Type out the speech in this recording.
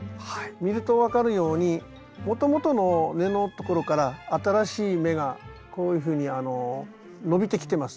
見ると分かるようにもともとの根のところから新しい芽がこういうふうに伸びてきてます。